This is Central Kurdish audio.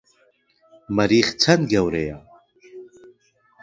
مەریخ چەند گەورەیە؟